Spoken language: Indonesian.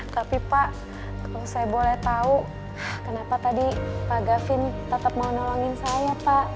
tapi pak kalau saya boleh tahu kenapa tadi pak gavin tetap mau nolongin saya pak